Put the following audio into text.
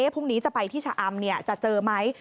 พรุ่งนี้จะไปที่ชะอำจะเจอไหม